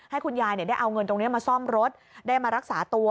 ให้คุณยายได้เอาเงินตรงนี้มาซ่อมรถได้มารักษาตัว